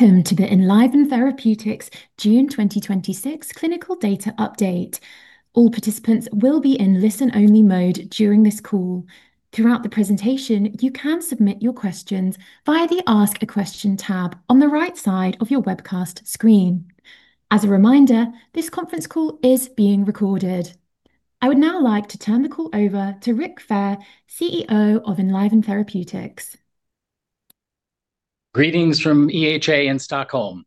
Welcome to the Enliven Therapeutics June 2026 clinical data update. All participants will be in listen-only mode during this call. Throughout the presentation, you can submit your questions via the Ask a Question tab on the right side of your webcast screen. As a reminder, this conference call is being recorded. I would now like to turn the call over to Rick Fair, CEO of Enliven Therapeutics. Greetings from EHA in Stockholm.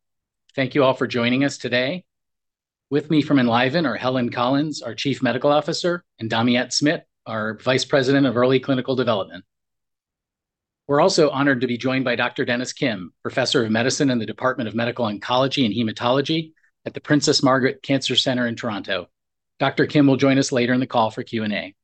Thank you all for joining us today. With me from Enliven are Helen Collins, our Chief Medical Officer, and Damiette Smit, our Vice President of Early Clinical Development. We are also honored to be joined by Dr. Dennis Kim, Professor of Medicine in the Department of Medical Oncology and Hematology at the Princess Margaret Cancer Centre in Toronto. Dr. Kim will join us later in the call for Q&A.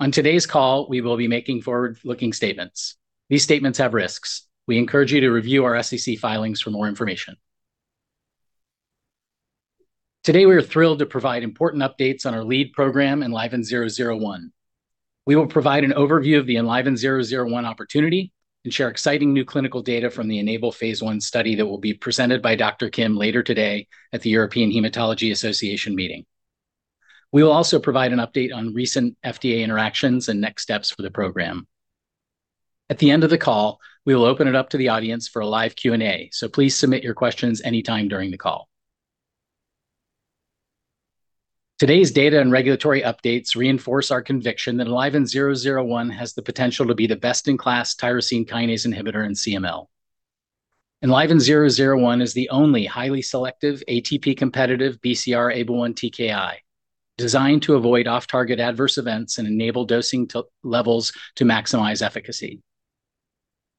On today's call, we will be making forward-looking statements. These statements have risks. We encourage you to review our SEC filings for more information. Today, we are thrilled to provide important updates on our lead program, ELVN-001. We will provide an overview of the ELVN-001 opportunity and share exciting new clinical data from the ENABLE phase I study that will be presented by Dr. Kim later today at the European Hematology Association meeting. We will also provide an update on recent FDA interactions and next steps for the program. At the end of the call, we will open it up to the audience for a live Q&A. Please submit your questions any time during the call. Today's data and regulatory updates reinforce our conviction that ELVN-001 has the potential to be the best-in-class tyrosine kinase inhibitor in CML. ELVN-001 is the only highly selective ATP competitive BCR-ABL1 TKI designed to avoid off-target adverse events and enable dosing levels to maximize efficacy.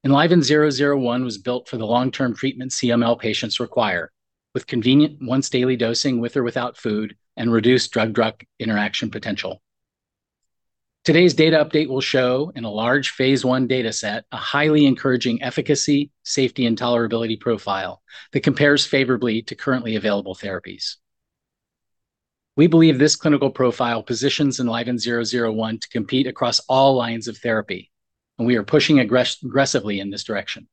ELVN-001 was built for the long-term treatment CML patients require, with convenient once-daily dosing with or without food and reduced drug-drug interaction potential. Today's data update will show, in a large phase I data set, a highly encouraging efficacy, safety, and tolerability profile that compares favorably to currently available therapies. We believe this clinical profile positions ELVN-001 to compete across all lines of therapy. We are pushing aggressively in this direction.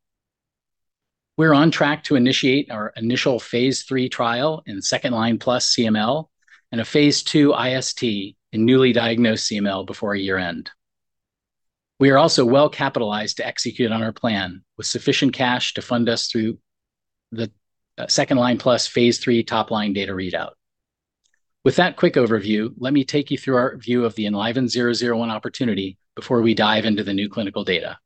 We are on track to initiate our initial phase III trial in second-line plus CML and a phase II IST in newly diagnosed CML before year-end. We are also well-capitalized to execute on our plan, with sufficient cash to fund us through the second-line plus phase III top-line data readout. With that quick overview, let me take you through our view of the ELVN-001 opportunity before we dive into the new clinical data.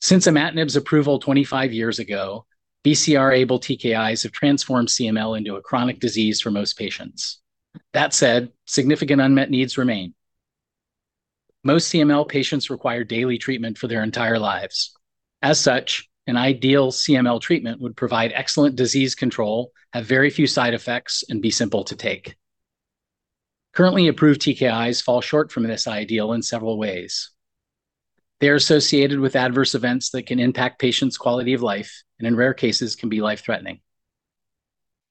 Since imatinib's approval 25 years ago, BCR-ABL TKIs have transformed CML into a chronic disease for most patients. That said, significant unmet needs remain. Most CML patients require daily treatment for their entire lives. As such, an ideal CML treatment would provide excellent disease control, have very few side effects, and be simple to take. Currently approved TKIs fall short from this ideal in several ways. They are associated with adverse events that can impact patients' quality of life and, in rare cases, can be life-threatening.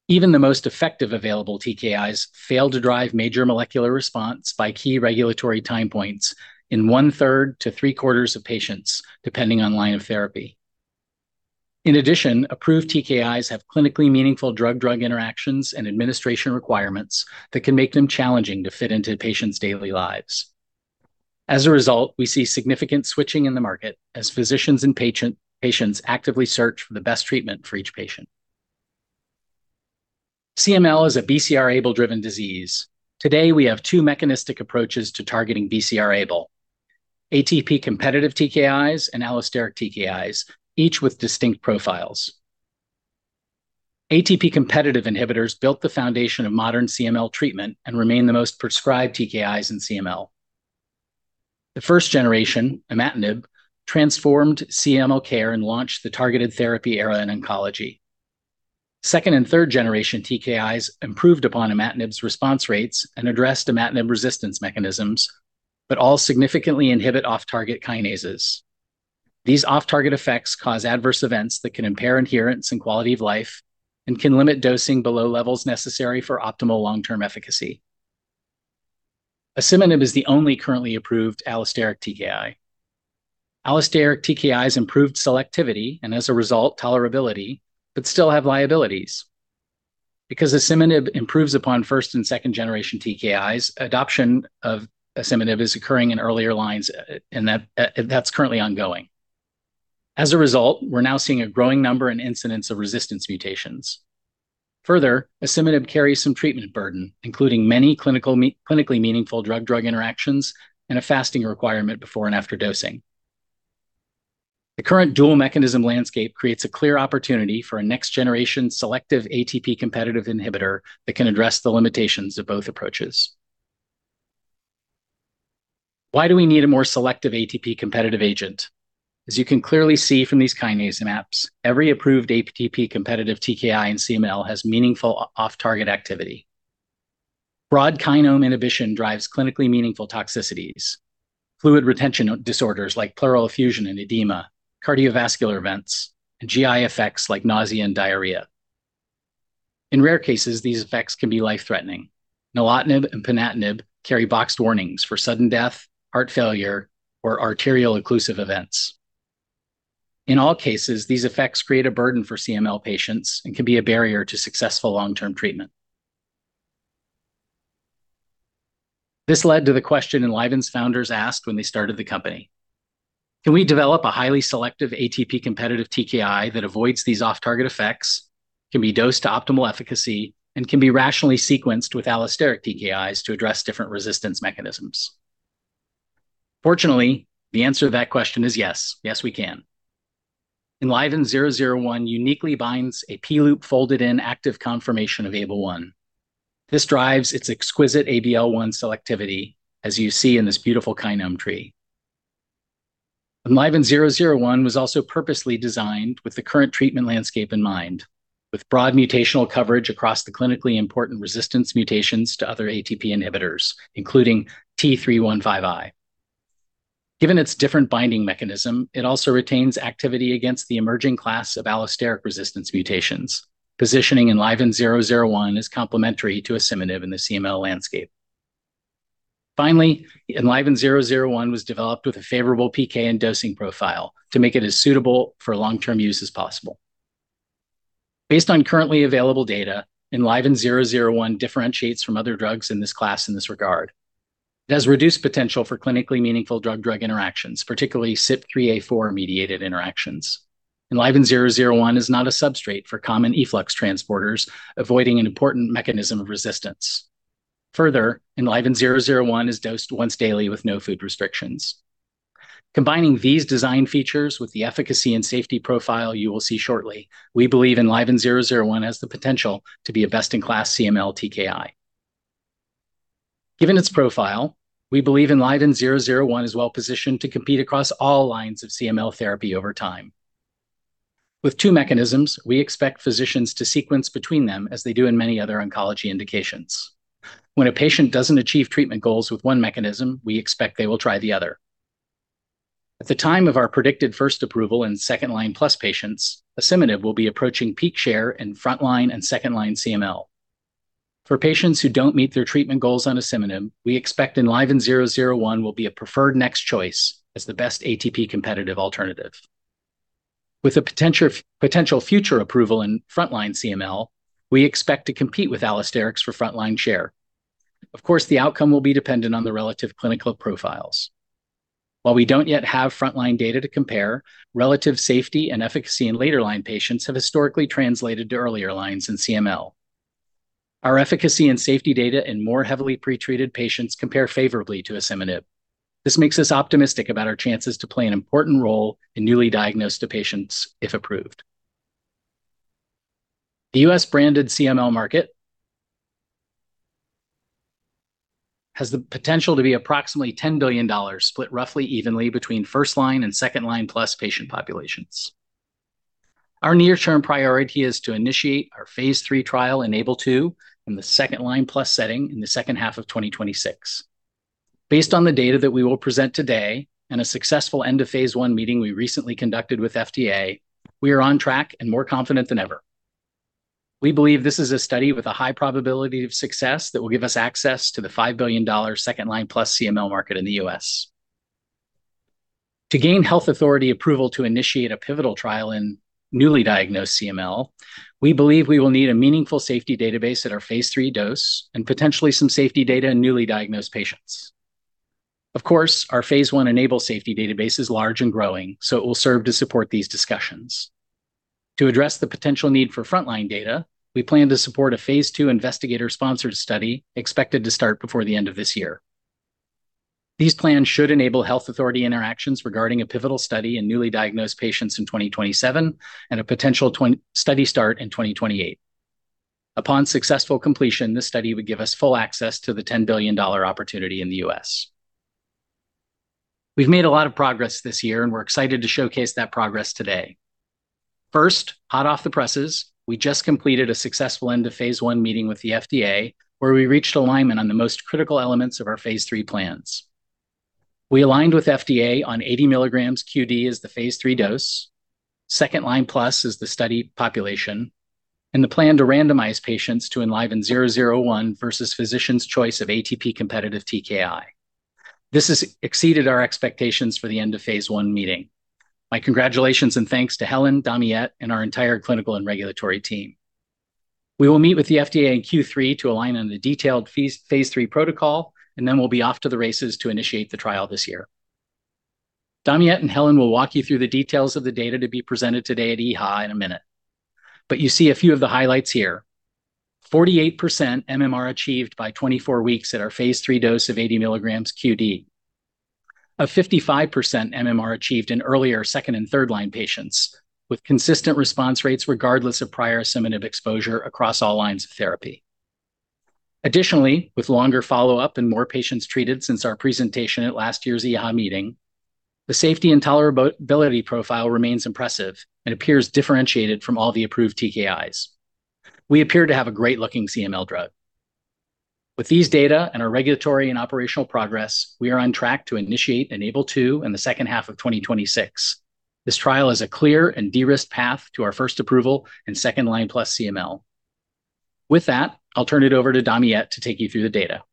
Even the most effective available TKIs fail to drive major molecular response by key regulatory time points in 1/3 to 3/4 of patients, depending on line of therapy. Approved TKIs have clinically meaningful drug-drug interactions and administration requirements that can make them challenging to fit into patients' daily lives. As a result, we see significant switching in the market as physicians and patients actively search for the best treatment for each patient. CML is a BCR-ABL-driven disease. Today, we have two mechanistic approaches to targeting BCR-ABL: ATP-competitive TKIs and allosteric TKIs, each with distinct profiles. ATP-competitive inhibitors built the foundation of modern CML treatment and remain the most prescribed TKIs in CML. The first generation, imatinib, transformed CML care and launched the targeted therapy era in oncology. Second- and third-generation TKIs improved upon imatinib's response rates and addressed imatinib resistance mechanisms, but all significantly inhibit off-target kinases. These off-target effects cause adverse events that can impair adherence and quality of life and can limit dosing below levels necessary for optimal long-term efficacy. asciminib is the only currently approved allosteric TKI. Allosteric TKIs improved selectivity and tolerability, but still have liabilities. Because asciminib improves upon first- and second-generation TKIs, adoption of asciminib is occurring in earlier lines, and that's currently ongoing. As a result, we're now seeing a growing number and incidence of resistance mutations. asciminib carries some treatment burden, including many clinically meaningful drug-drug interactions and a fasting requirement before and after dosing. The current dual-mechanism landscape creates a clear opportunity for a next-generation selective ATP-competitive inhibitor that can address the limitations of both approaches. Why do we need a more selective ATP-competitive agent? You can clearly see from these kinase maps, every approved ATP-competitive TKI in CML has meaningful off-target activity. Broad kinome inhibition drives clinically meaningful toxicities, fluid retention disorders like pleural effusion and edema, cardiovascular events, and GI effects like nausea and diarrhea. In rare cases, these effects can be life-threatening. nilotinib and ponatinib carry boxed warnings for sudden death, heart failure, or arterial occlusive events. These effects create a burden for CML patients and can be a barrier to successful long-term treatment. This led to the question Enliven's founders asked when they started the company: Can we develop a highly selective ATP-competitive TKI that avoids these off-target effects, can be dosed to optimal efficacy, and can be rationally sequenced with allosteric TKIs to address different resistance mechanisms? Fortunately, the answer to that question is yes. Yes, we can. ELVN-001 uniquely binds a P-loop "folded-in" active conformation of ABL1. This drives its exquisite ABL1 selectivity, as you see in this beautiful Kinome tree. ELVN-001 was also purposely designed with the current treatment landscape in mind, with broad mutational coverage across the clinically important resistance mutations to other ATP inhibitors, including T315I. Given its different binding mechanism, it also retains activity against the emerging class of allosteric resistance mutations, positioning ELVN-001 as complementary to asciminib in the CML landscape. Finally, ELVN-001 was developed with a favorable PK and dosing profile to make it as suitable for long-term use as possible. Based on currently available data, ELVN-001 differentiates from other drugs in this class in this regard. It has reduced potential for clinically meaningful drug-drug interactions, particularly CYP3A4-mediated interactions. ELVN-001 is not a substrate for common efflux transporters, avoiding an important mechanism of resistance. Further, ELVN-001 is dosed once daily with no food restrictions. Combining these design features with the efficacy and safety profile you will see shortly, we believe ELVN-001 has the potential to be a best-in-class CML TKI. Given its profile, we believe ELVN-001 is well-positioned to compete across all lines of CML therapy over time. With two mechanisms, we expect physicians to sequence between them as they do in many other oncology indications. When a patient doesn't achieve treatment goals with one mechanism, we expect they will try the other. At the time of our predicted first approval in second-line-plus patients, asciminib will be approaching peak share in front-line and second-line CML. For patients who don't meet their treatment goals on asciminib, we expect ELVN-001 will be a preferred next choice as the best ATP-competitive alternative. With a potential future approval in front-line CML, we expect to compete with allosterics for front-line share. Of course, the outcome will be dependent on the relative clinical profiles. While we don't yet have front-line data to compare, relative safety and efficacy in later line patients have historically translated to earlier lines in CML. Our efficacy and safety data in more heavily pretreated patients compare favorably to asciminib. This makes us optimistic about our chances to play an important role in newly diagnosed patients if approved. The U.S. branded CML market has the potential to be approximately $10 billion, split roughly evenly between first-line and second-line-plus patient populations. Our near-term priority is to initiate our phase III trial, ENABLE-2, in the second-line-plus setting in the second half of 2026. Based on the data that we will present today and a successful end-of-phase I meeting we recently conducted with FDA, we are on track and more confident than ever. We believe this is a study with a high probability of success that will give us access to the $5 billion second-line-plus CML market in the U.S. To gain health authority approval to initiate a pivotal trial in newly diagnosed CML, we believe we will need a meaningful safety database at our phase III dose and potentially some safety data in newly diagnosed patients. Of course, our phase I ENABLE safety database is large and growing, so it will serve to support these discussions. To address the potential need for front-line data, we plan to support a phase II investigator-sponsored study expected to start before the end of this year. These plans should enable health authority interactions regarding a pivotal study in newly diagnosed patients in 2027 and a potential study start in 2028. Upon successful completion, this study would give us full access to the $10 billion opportunity in the U.S. We've made a lot of progress this year, and we're excited to showcase that progress today. First, hot off the presses, we just completed a successful end-of-phase I meeting with the FDA, where we reached alignment on the most critical elements of our phase III plans. We aligned with FDA on 80 mg QD as the phase III dose, second-line-plus as the study population, and the plan to randomize patients to ELVN-001 versus physician's choice of ATP competitive TKI. This has exceeded our expectations for the end-of-phase I meeting. My congratulations and thanks to Helen, Damiette, and our entire clinical and regulatory team. We will meet with the FDA in Q3 to align on the detailed phase III protocol, then we'll be off to the races to initiate the trial this year. Damiette and Helen will walk you through the details of the data to be presented today at EHA in a minute. You see a few of the highlights here. 48% MMR achieved by 24 weeks at our phase III dose of 80 mg QD. A 55% MMR achieved in earlier second and third-line patients, with consistent response rates regardless of prior asciminib exposure across all lines of therapy. Additionally, with longer follow-up and more patients treated since our presentation at last year's EHA meeting, the safety and tolerability profile remains impressive and appears differentiated from all the approved TKIs. We appear to have a great-looking CML drug. With these data and our regulatory and operational progress, we are on track to initiate ENABLE-2 in the second half of 2026. This trial is a clear and de-risked path to our first approval in second-line plus CML. With that, I'll turn it over to Damiette to take you through the data.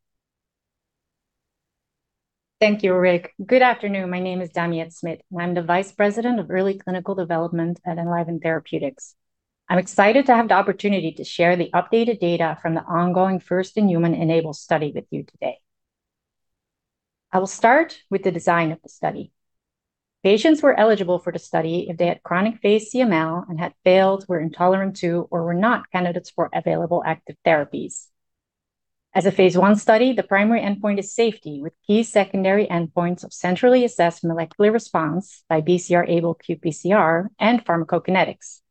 Thank you, Rick. Good afternoon. My name is Damiette Smit, and I'm the Vice President of Early Clinical Development at Enliven Therapeutics. I'm excited to have the opportunity to share the updated data from the ongoing first-in-human ENABLE study with you today. I will start with the design of the study. Patients were eligible for the study if they had chronic phase CML and had failed, were intolerant to, or were not candidates for available active therapies. As a phase I study, the primary endpoint is safety, with key secondary endpoints of centrally assessed molecular response by BCR-ABL qPCR and pharmacokinetics.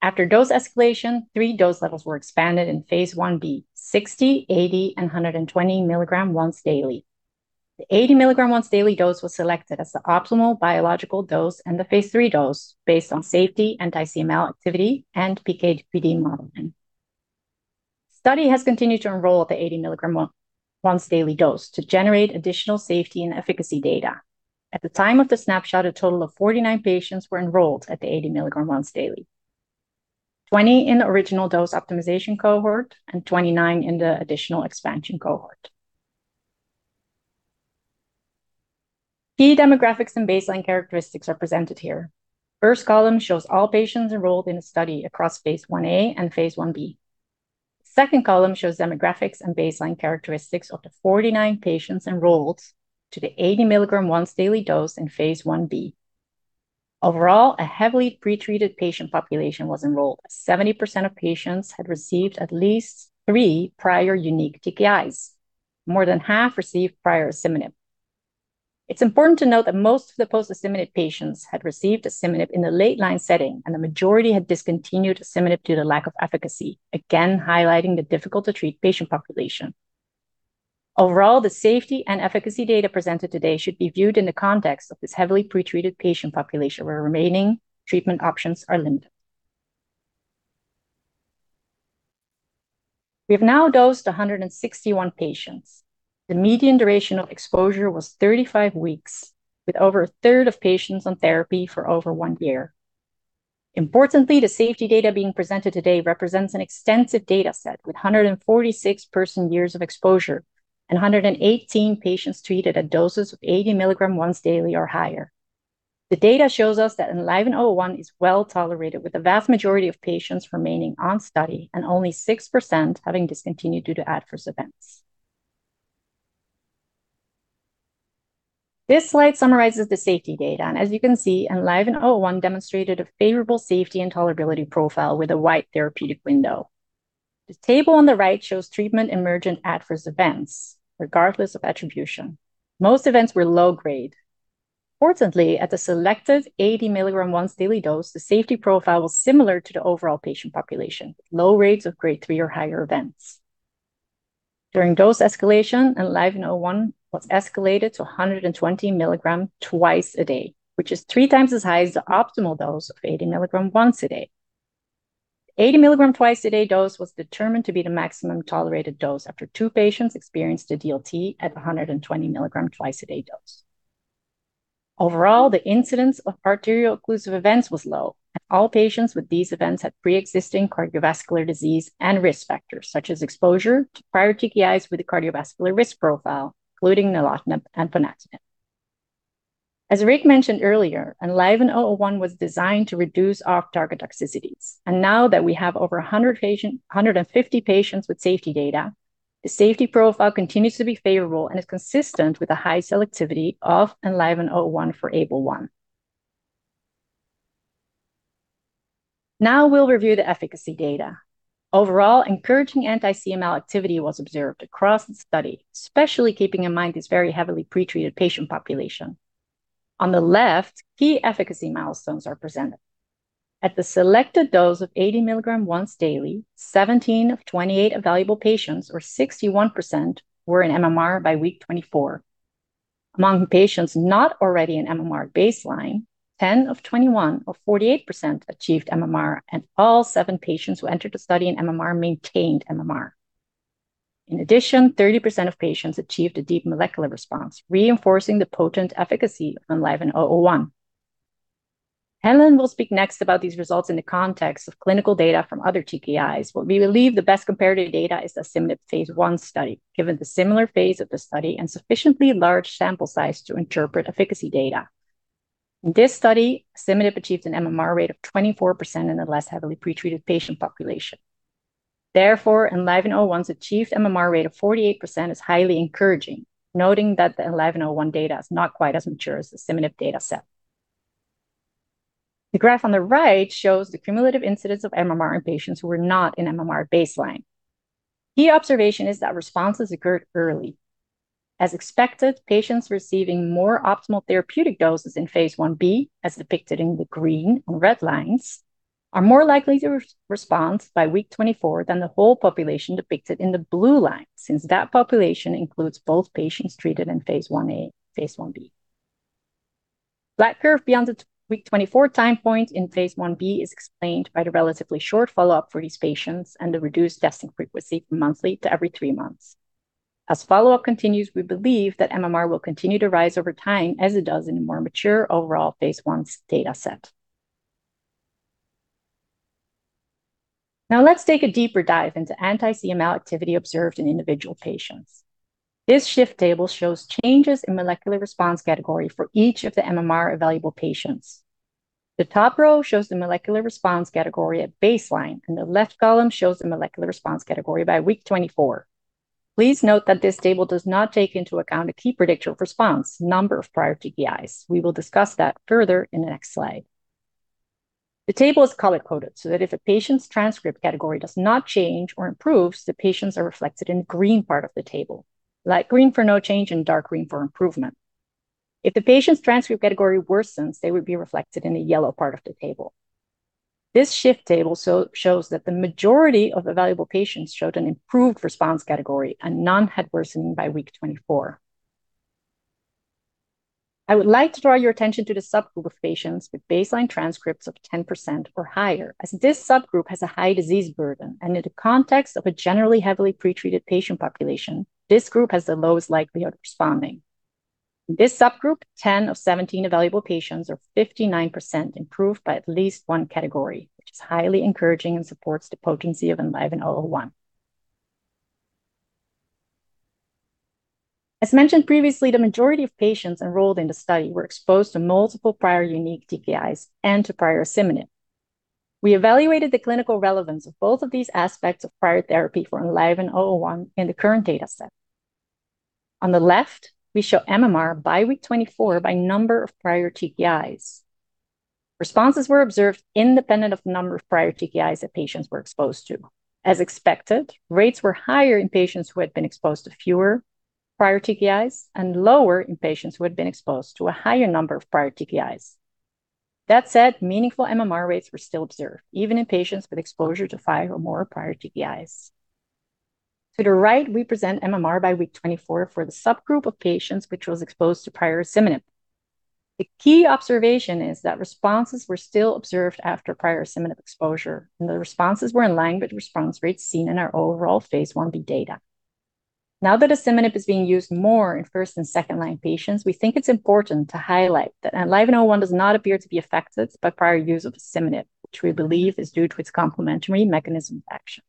After dose escalation, three dose levels were expanded in phase I-B, 60 mg, 80 mg, and 120 mg once daily. The 80 mg once daily dose was selected as the optimal biological dose and the phase III dose based on safety, anti-CML activity, and PK/PD modeling. Study has continued to enroll at the 80 mg once daily dose to generate additional safety and efficacy data. At the time of the snapshot, a total of 49 patients were enrolled at the 80 mg once daily, 20 in the original dose optimization cohort and 29 in the additional expansion cohort. Key demographics and baseline characteristics are presented here. First column shows all patients enrolled in the study across phase I-A and phase I-B. Second column shows demographics and baseline characteristics of the 49 patients enrolled to the 80 mg once daily dose in phase I-B. Overall, a heavily pretreated patient population was enrolled. 70% of patients had received at least three prior unique TKIs. More than half received prior asciminib. It's important to note that most of the post-asciminib patients had received asciminib in the late-line setting, and the majority had discontinued asciminib due to lack of efficacy, again highlighting the difficult-to-treat patient population. Overall, the safety and efficacy data presented today should be viewed in the context of this heavily pretreated patient population, where remaining treatment options are limited. We have now dosed 161 patients. The median duration of exposure was 35 weeks, with over 1/3 of patients on therapy for over one year. Importantly, the safety data being presented today represents an extensive data set, with 146 person-years of exposure and 118 patients treated at doses of 80 mg once daily or higher. The data shows us that ELVN-001 is well-tolerated, with the vast majority of patients remaining on study and only 6% having discontinued due to adverse events. This slide summarizes the safety data. As you can see, ELVN-001 demonstrated a favorable safety and tolerability profile with a wide therapeutic window. The table on the right shows treatment-emergent adverse events, regardless of attribution. Most events were low-grade. Importantly, at the selected 80 mg once daily dose, the safety profile was similar to the overall patient population, with low rates of Grade 3 or higher events. During dose escalation, ELVN-001 was escalated to 120 mg twice a day, which is 3x as high as the optimal dose of 80 mg once a day. 80 mg twice a day dose was determined to be the maximum tolerated dose after two patients experienced a DLT at 120 mg twice a day dose. Overall, the incidence of arterial occlusive events was low. All patients with these events had pre-existing cardiovascular disease and risk factors, such as exposure to prior TKIs with a cardiovascular risk profile, including nilotinib and ponatinib. As Rick mentioned earlier, ELVN-001 was designed to reduce off-target toxicities. Now that we have over 150 patients with safety data, the safety profile continues to be favorable and is consistent with the high selectivity of ELVN-001 for ABL1. Now we'll review the efficacy data. Overall, encouraging anti-CML activity was observed across the study, especially keeping in mind this very heavily pretreated patient population. On the left, key efficacy milestones are presented. At the selected dose of 80 mg once daily, 17 of 28 evaluable patients, or 61%, were in MMR by week 24. Among patients not already in MMR at baseline, 10 of 21, or 48%, achieved MMR. All seven patients who entered the study in MMR maintained MMR. In addition, 30% of patients achieved a deep molecular response, reinforcing the potent efficacy of ELVN-001. Helen will speak next about these results in the context of clinical data from other TKIs. We believe the best comparative data is asciminib Phase I study, given the similar phase of the study and sufficiently large sample size to interpret efficacy data. In this study, asciminib achieved an MMR rate of 24% in a less heavily pretreated patient population. Therefore, ELVN-001's achieved MMR rate of 48% is highly encouraging, noting that the ELVN-001 data is not quite as mature as the asciminib data set. The graph on the right shows the cumulative incidence of MMR in patients who were not in MMR at baseline. Key observation is that responses occurred early. As expected, patients receiving more optimal therapeutic doses in phase I-B, as depicted in the green and red lines, are more likely to respond by week 24 than the whole population depicted in the blue line, since that population includes both patients treated in phase I-A and phase I-B. Black curve beyond the week 24 time point in phase I-B is explained by the relatively short follow-up for these patients and the reduced testing frequency from monthly to every three months. As follow-up continues, we believe that MMR will continue to rise over time, as it does in a more mature overall phase I data set. Now, let's take a deeper dive into anti-CML activity observed in individual patients. This shift table shows changes in molecular response category for each of the MMR evaluable patients. The top row shows the molecular response category at baseline, and the left column shows the molecular response category by week 24. Please note that this table does not take into account a key predictor of response, number of prior TKIs. We will discuss that further in the next slide. The table is color-coded so that if a patient's transcript category does not change or improves, the patients are reflected in the green part of the table, light green for no change and dark green for improvement. If the patient's transcript category worsens, they would be reflected in the yellow part of the table. This shift table shows that the majority of evaluable patients showed an improved response category and none had worsening by week 24. I would like to draw your attention to the subgroup of patients with baseline transcripts of 10% or higher, as this subgroup has a high disease burden. In the context of a generally heavily pre-treated patient population, this group has the lowest likelihood of responding. In this subgroup, 10 of 17 evaluable patients, or 59%, improved by at least one category, which is highly encouraging and supports the potency of ELVN-001. As mentioned previously, the majority of patients enrolled in the study were exposed to multiple prior unique TKIs and to prior asciminib. We evaluated the clinical relevance of both of these aspects of prior therapy for ELVN-001 in the current data set. On the left, we show MMR by week 24 by number of prior TKIs. Responses were observed independent of the number of prior TKIs that patients were exposed to. As expected, rates were higher in patients who had been exposed to fewer prior TKIs and lower in patients who had been exposed to a higher number of prior TKIs. That said, meaningful MMR rates were still observed, even in patients with exposure to five or more prior TKIs. To the right, we present MMR by week 24 for the subgroup of patients which was exposed to prior asciminib. The key observation is that responses were still observed after prior asciminib exposure, and the responses were in line with response rates seen in our overall phase I-B data. Now that asciminib is being used more in first and second-line patients, we think it's important to highlight that ELVN-001 does not appear to be affected by prior use of asciminib, which we believe is due to its complementary mechanism of action.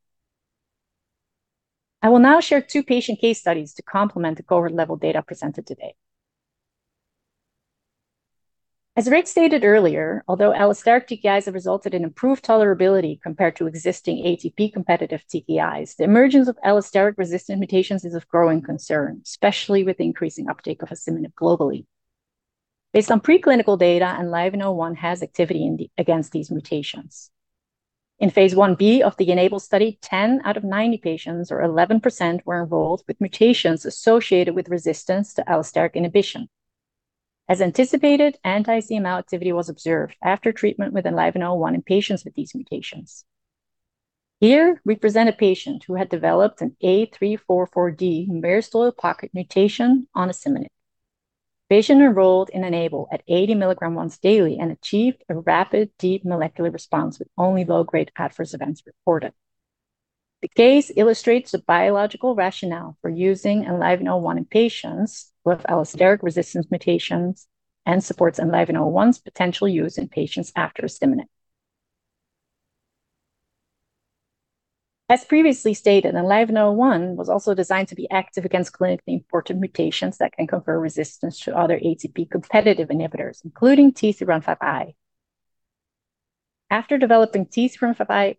I will now share two patient case studies to complement the cohort-level data presented today. As Rick stated earlier, although allosteric TKIs have resulted in improved tolerability compared to existing ATP competitive TKIs, the emergence of allosteric resistant mutations is of growing concern, especially with the increasing uptake of asciminib globally. Based on preclinical data, ELVN-001 has activity against these mutations. In phase I-B of the ENABLE study, 10 out of 90 patients, or 11%, were enrolled with mutations associated with resistance to allosteric inhibition. As anticipated, anti-CML activity was observed after treatment with ELVN-001 in patients with these mutations. Here, we present a patient who had developed an A344D myristoyl pocket mutation on asciminib. Patient enrolled in ENABLE at 80 mg once daily and achieved a rapid, deep molecular response with only low-grade adverse events reported. The case illustrates the biological rationale for using ELVN-001 in patients with allosteric resistance mutations and supports ELVN-001's potential use in patients after asciminib. As previously stated, ELVN-001 was also designed to be active against clinically important mutations that can confer resistance to other ATP-competitive inhibitors, including T315I. After developing T315I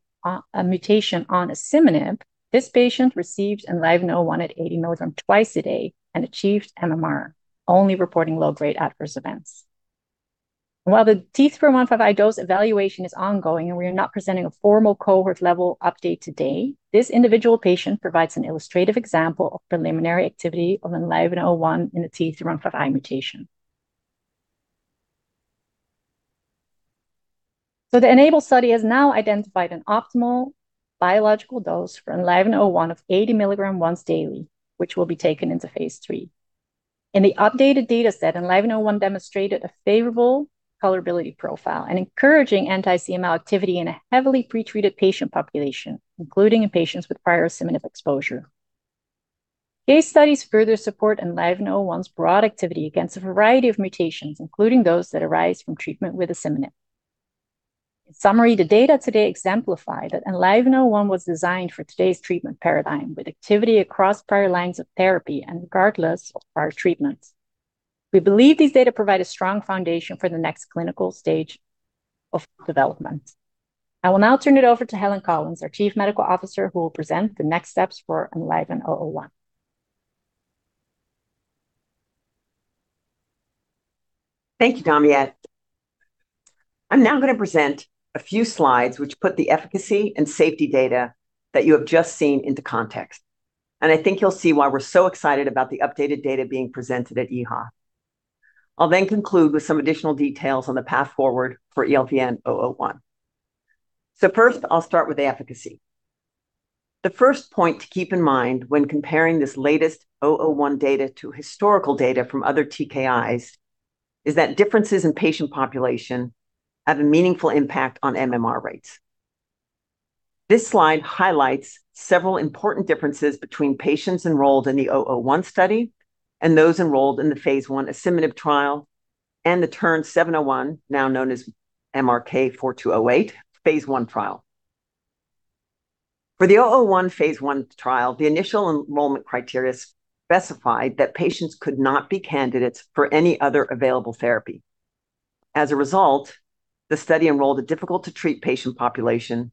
mutation on asciminib, this patient received ELVN-001 at 80 mg twice a day and achieved MMR, only reporting low-grade adverse events. While the T315I dose evaluation is ongoing, and we are not presenting a formal cohort-level update today, this individual patient provides an illustrative example of preliminary activity of ELVN-001 in the T315I mutation. The ENABLE study has now identified an optimal biological dose for ELVN-001 of 80 mg once daily, which will be taken into phase III. In the updated data set, ELVN-001 demonstrated a favorable tolerability profile, an encouraging anti-CML activity in a heavily pre-treated patient population, including in patients with prior asciminib exposure. Case studies further support ELVN-001's broad activity against a variety of mutations, including those that arise from treatment with asciminib. In summary, the data today exemplify that ELVN-001 was designed for today's treatment paradigm, with activity across prior lines of therapy and regardless of prior treatment. We believe these data provide a strong foundation for the next clinical stage of development. I will now turn it over to Helen Collins, our Chief Medical Officer, who will present the next steps for ELVN-001. Thank you, Damiette. I'm now going to present a few slides which put the efficacy and safety data that you have just seen into context, and I think you'll see why we're so excited about the updated data being presented at EHA. I'll then conclude with some additional details on the path forward for ELVN-001. First, I'll start with the efficacy. The first point to keep in mind when comparing this latest ELVN-001 data to historical data from other TKIs is that differences in patient population have a meaningful impact on MMR rates. This slide highlights several important differences between patients enrolled in the ELVN-001 study and those enrolled in the phase I asciminib trial and the TERN-701, now known as MRK-4208, phase I trial. For the ELVN-001 phase I trial, the initial enrollment criteria specified that patients could not be candidates for any other available therapy. As a result, the study enrolled a difficult-to-treat patient population,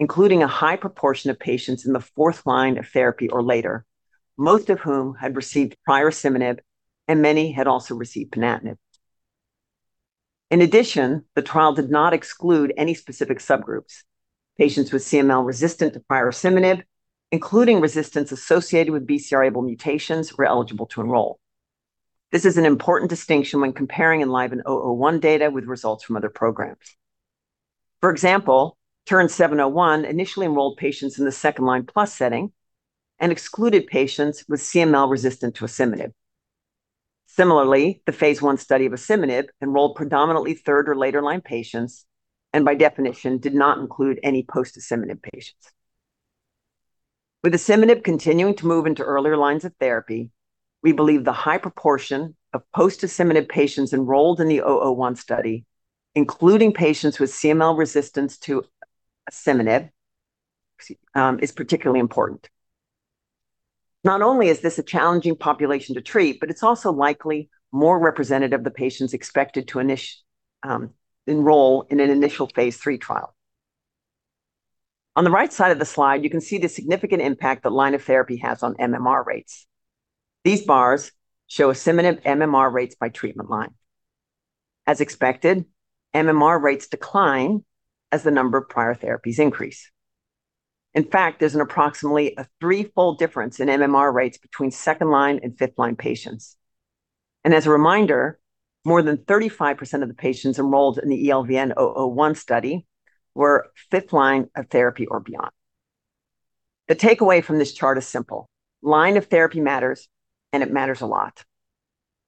including a high proportion of patients in the fourth line of therapy or later, most of whom had received prior asciminib and many had also received ponatinib. In addition, the trial did not exclude any specific subgroups. Patients with CML resistant to prior asciminib, including resistance associated with BCR-ABL mutations, were eligible to enroll. This is an important distinction when comparing ELVN-001 data with results from other programs. For example, TERN-701 initially enrolled patients in the second-line plus setting and excluded patients with CML resistant to asciminib. Similarly, the phase I study of asciminib enrolled predominantly third or later line patients and by definition, did not include any post-asciminib patients. With asciminib continuing to move into earlier lines of therapy, we believe the high proportion of post-asciminib patients enrolled in the ELVN-001 study, including patients with CML resistance to asciminib, is particularly important. Not only is this a challenging population to treat, but it is also likely more representative of the patients expected to enroll in an initial phase III trial. On the right side of the slide, you can see the significant impact that line of therapy has on MMR rates. These bars show asciminib MMR rates by treatment line. As expected, MMR rates decline as the number of prior therapies increase. In fact, there is approximately a threefold difference in MMR rates between second-line and fifth-line patients. As a reminder, more than 35% of the patients enrolled in the ELVN-001 study were fifth-line of therapy or beyond. The takeaway from this chart is simple: line of therapy matters, and it matters a lot.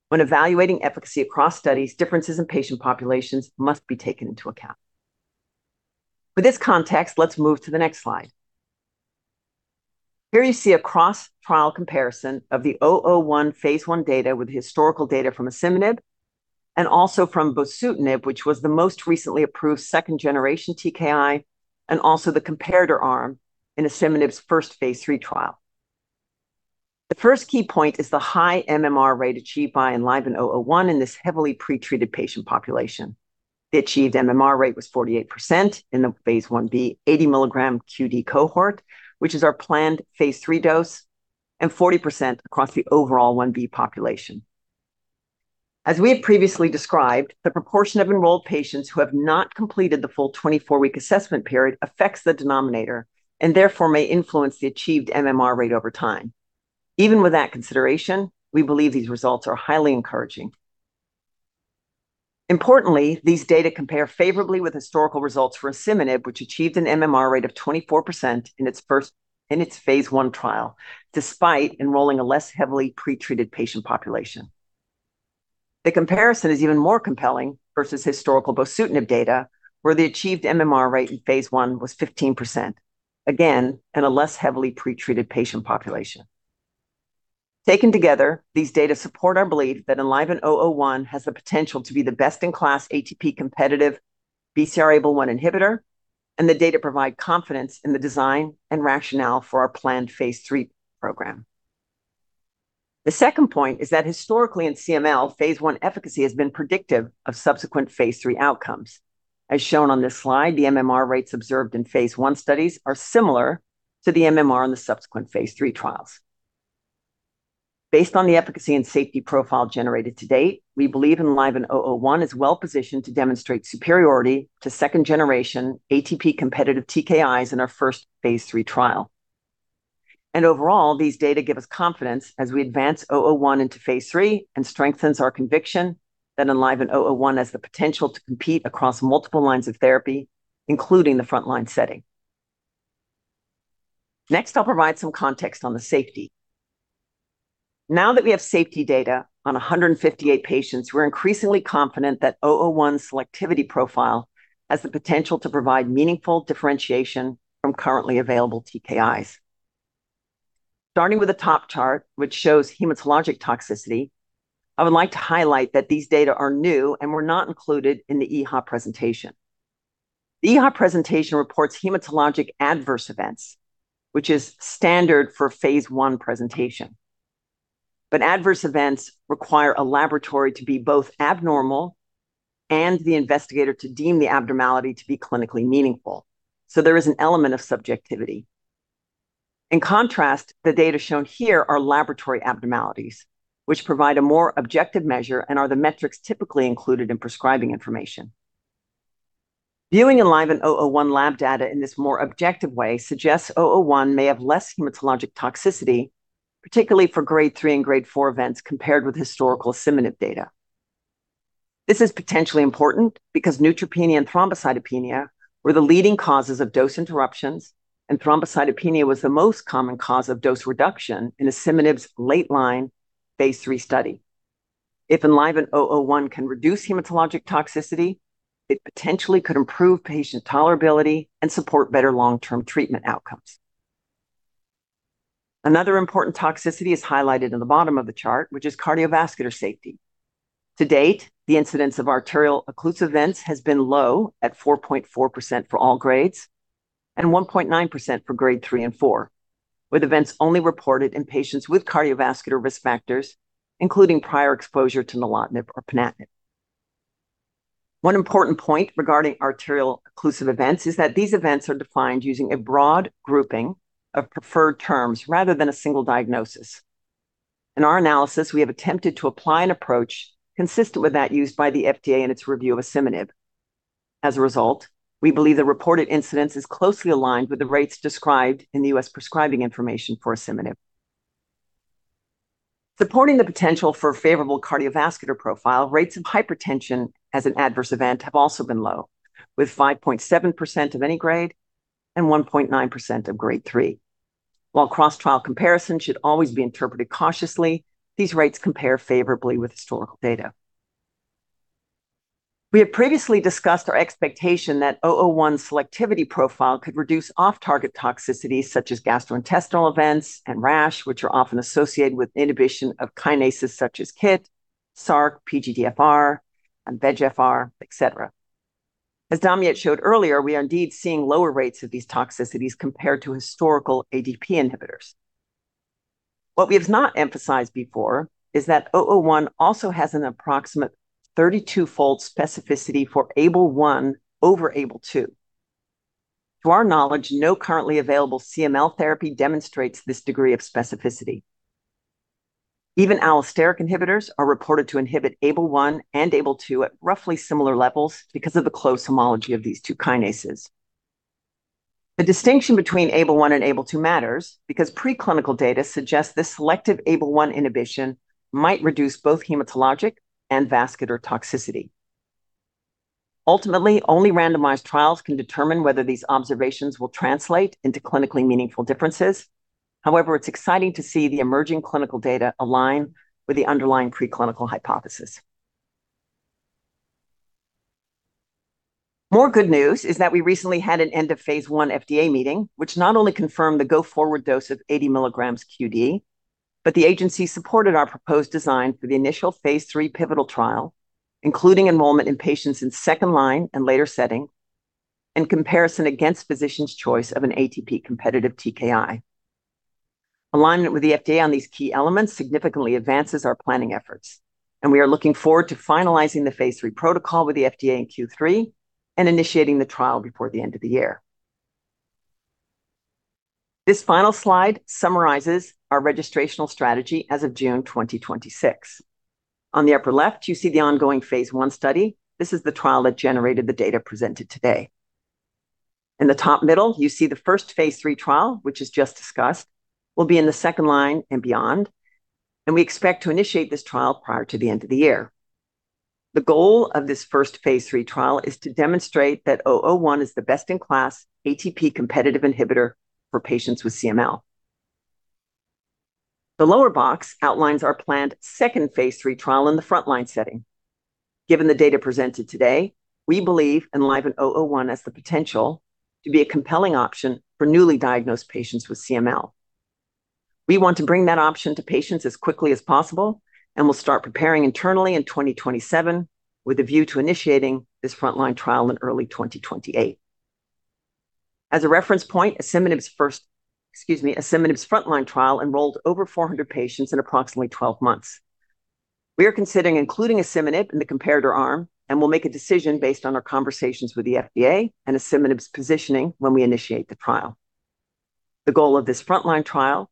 When evaluating efficacy across studies, differences in patient populations must be taken into account. With this context, let us move to the next slide. Here you see a cross-trial comparison of the ELVN-001 phase I data with historical data from asciminib and also from bosutinib, which was the most recently approved second-generation TKI and also the comparator arm in asciminib's first phase III trial. The first key point is the high MMR rate achieved by ELVN-001 in this heavily pretreated patient population. The achieved MMR rate was 48% in the phase I-B 80 mg QD cohort, which is our planned phase III dose, and 40% across the overall I-B population. As we had previously described, the proportion of enrolled patients who have not completed the full 24-week assessment period affects the denominator and therefore may influence the achieved MMR rate over time. Even with that consideration, we believe these results are highly encouraging. Importantly, these data compare favorably with historical results for asciminib, which achieved an MMR rate of 24% in its phase I trial, despite enrolling a less heavily pretreated patient population. The comparison is even more compelling versus historical bosutinib data, where the achieved MMR rate in phase I was 15%, again, in a less heavily pretreated patient population. Taken together, these data support our belief that ELVN-001 has the potential to be the best-in-class ATP competitive BCR-ABL1 inhibitor, and the data provide confidence in the design and rationale for our planned phase III program. The second point is that historically in CML, phase I efficacy has been predictive of subsequent phase III outcomes. As shown on this slide, the MMR rates observed in phase I studies are similar to the MMR in the subsequent phase III trials. Based on the efficacy and safety profile generated to date, we believe ELVN-001 is well-positioned to demonstrate superiority to second generation ATP competitive TKIs in our first phase III trial. Overall, these data give us confidence as we advance 001 into phase III and strengthens our conviction that ELVN-001 has the potential to compete across multiple lines of therapy, including the frontline setting. Next, I'll provide some context on the safety. Now that we have safety data on 158 patients, we're increasingly confident that 001's selectivity profile has the potential to provide meaningful differentiation from currently available TKIs. Starting with the top chart, which shows hematologic toxicity, I would like to highlight that these data are new and were not included in the EHA presentation. The EHA presentation reports hematologic adverse events, which is standard for phase I presentation. Adverse events require a laboratory to be both abnormal and the investigator to deem the abnormality to be clinically meaningful. There is an element of subjectivity. In contrast, the data shown here are laboratory abnormalities, which provide a more objective measure and are the metrics typically included in prescribing information. Viewing ELVN-001 lab data in this more objective way suggests 001 may have less hematologic toxicity, particularly for Grade 3 and Grade 4 events, compared with historical asciminib data. This is potentially important because neutropenia and thrombocytopenia were the leading causes of dose interruptions, and thrombocytopenia was the most common cause of dose reduction in asciminib's late line phase III study. If ELVN-001 can reduce hematologic toxicity, it potentially could improve patient tolerability and support better long-term treatment outcomes. Another important toxicity is highlighted in the bottom of the chart, which is cardiovascular safety. To date, the incidence of arterial occlusive events has been low at 4.4% for all grades and 1.9% for Grade 3 and 4, with events only reported in patients with cardiovascular risk factors, including prior exposure to nilotinib or ponatinib. One important point regarding arterial occlusive events is that these events are defined using a broad grouping of preferred terms rather than a single diagnosis. In our analysis, we have attempted to apply an approach consistent with that used by the FDA in its review of asciminib. As a result, we believe the reported incidence is closely aligned with the rates described in the U.S. prescribing information for asciminib. Supporting the potential for a favorable cardiovascular profile, rates of hypertension as an adverse event have also been low, with 5.7% of any grade and 1.9% of Grade 3. While cross-trial comparison should always be interpreted cautiously, these rates compare favorably with historical data. We have previously discussed our expectation that 001's selectivity profile could reduce off-target toxicities such as gastrointestinal events and rash, which are often associated with inhibition of kinases such as KIT, SRC, PDGFR, and VEGFR, et cetera. As Damiette showed earlier, we are indeed seeing lower rates of these toxicities compared to historical ADP inhibitors. What we have not emphasized before is that 001 also has an approximate 32-fold specificity for ABL1 over ABL2. To our knowledge, no currently available CML therapy demonstrates this degree of specificity. Even allosteric inhibitors are reported to inhibit ABL1 and ABL2 at roughly similar levels because of the close homology of these two kinases. The distinction between ABL1 and ABL2 matters because preclinical data suggests this selective ABL1 inhibition might reduce both hematologic and vascular toxicity. Ultimately, only randomized trials can determine whether these observations will translate into clinically meaningful differences. However, it's exciting to see the emerging clinical data align with the underlying preclinical hypothesis. More good news is that we recently had an end-of-phase I FDA meeting, which not only confirmed the go-forward dose of 80 mg QD, but the agency supported our proposed design for the initial phase III pivotal trial, including enrollment in patients in second-line and later setting, in comparison against physician's choice of an ATP competitive TKI. Alignment with the FDA on these key elements significantly advances our planning efforts, and we are looking forward to finalizing the phase III protocol with the FDA in Q3 and initiating the trial before the end of the year. This final slide summarizes our registrational strategy as of June 2026. On the upper left, you see the ongoing phase I study. This is the trial that generated the data presented today. In the top middle, you see the first phase III trial, which was just discussed, will be in the second-line and beyond, and we expect to initiate this trial prior to the end of the year. The goal of this first phase III trial is to demonstrate that 001 is the best-in-class ATP competitive inhibitor for patients with CML. The lower box outlines our planned second phase III trial in the frontline setting. Given the data presented today, we believe ELVN-001 has the potential to be a compelling option for newly diagnosed patients with CML. We want to bring that option to patients as quickly as possible and will start preparing internally in 2027 with a view to initiating this frontline trial in early 2028. As a reference point, asciminib's frontline trial enrolled over 400 patients in approximately 12 months. We are considering including asciminib in the comparator arm and will make a decision based on our conversations with the FDA and asciminib's positioning when we initiate the trial. The goal of this frontline trial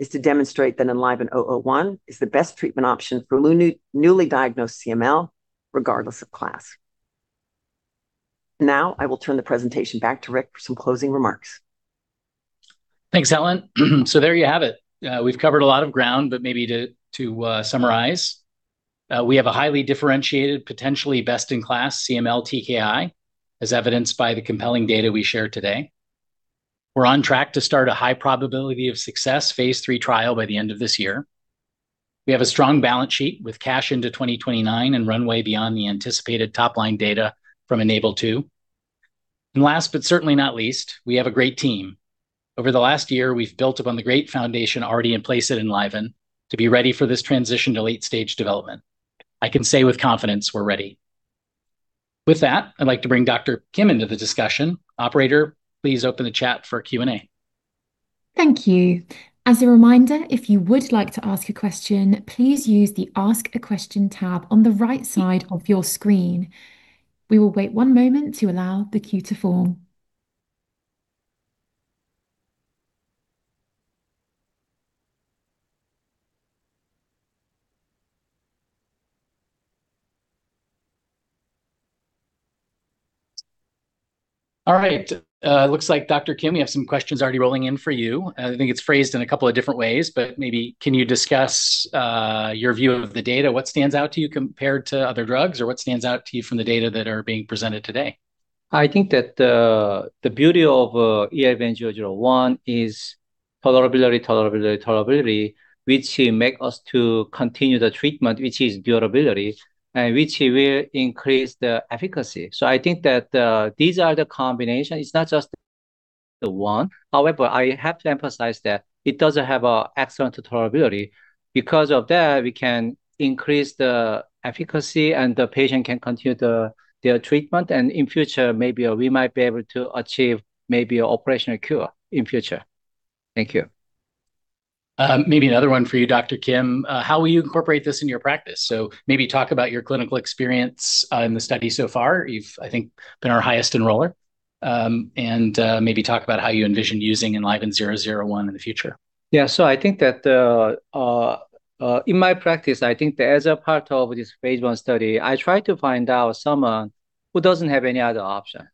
is to demonstrate that ELVN-001 is the best treatment option for newly diagnosed CML, regardless of class. Now, I will turn the presentation back to Rick for some closing remarks. Thanks, Helen. There you have it. We've covered a lot of ground, maybe to summarize, we have a highly differentiated, potentially best-in-class CML TKI, as evidenced by the compelling data we shared today. We're on track to start a high probability of success phase III trial by the end of this year. We have a strong balance sheet with cash into 2029 and runway beyond the anticipated top-line data from ENABLE-2. Last but certainly not least, we have a great team. Over the last year, we've built upon the great foundation already in place at Enliven to be ready for this transition to late-stage development. I can say with confidence we're ready. With that, I'd like to bring Dr. Kim into the discussion. Operator, please open the chat for Q&A. Thank you. As a reminder, if you would like to ask a question, please use the Ask a Question tab on the right side of your screen. We will wait one moment to allow the queue to form. All right. Looks like Dr. Kim, we have some questions already rolling in for you. I think it's phrased in a couple of different ways, maybe can you discuss your view of the data? What stands out to you compared to other drugs, or what stands out to you from the data that are being presented today? I think that the beauty of ELVN-001 is tolerability, tolerability, which make us to continue the treatment, which is durability and which will increase the efficacy. I think that these are the combination. It's not just the one. However, I have to emphasize that it does have a excellent tolerability. Because of that, we can increase the efficacy, and the patient can continue their treatment, and in future, maybe we might be able to achieve maybe operational cure in future. Thank you. Maybe another one for you, Dr. Kim. How will you incorporate this in your practice? Maybe talk about your clinical experience in the study so far. You've, I think, been our highest enroller. Maybe talk about how you envision using ELVN-001 in the future. Yeah. I think that in my practice, I think that as a part of this phase I study, I try to find out someone who doesn't have any other option.